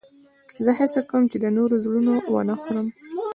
زه هڅه کوم، چي د نورو زړونه و نه خورم.